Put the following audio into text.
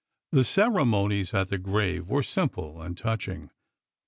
The ceremonies at the grave were simple and touching.